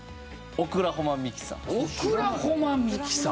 『オクラホマミキサー』！